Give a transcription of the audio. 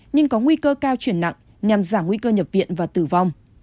nhưng có nguy cơ cao chuyển nặng nhằm giảm nguy cơ nhập viện và tử vong